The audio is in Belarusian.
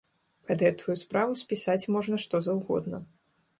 Пад гэтую справу спісаць можна што заўгодна.